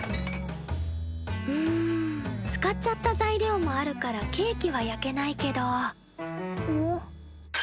ん使っちゃった材料もあるからケーキは焼けないけど。